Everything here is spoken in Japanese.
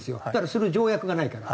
する条約がないから。